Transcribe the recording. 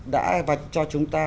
đã vạch cho chúng ta